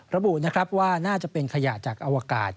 ระบุว่าน่าจะเป็นขยะจากอวกาศ